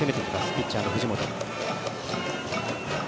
ピッチャーの藤本。